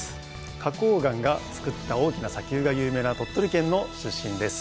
花こう岩が作った大きな砂丘が有名な鳥取県の出身です。